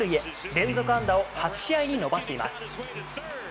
連続安打を８試合に伸ばしています。